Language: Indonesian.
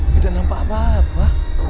tidak nampak apa apa